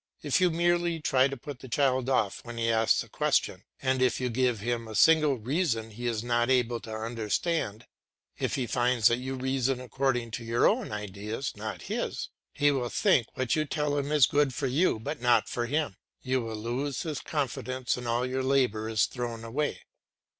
If you merely try to put the child off when he asks a question, and if you give him a single reason he is not able to understand, if he finds that you reason according to your own ideas, not his, he will think what you tell him is good for you but not for him; you will lose his confidence and all your labour is thrown away.